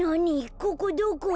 ここどこ？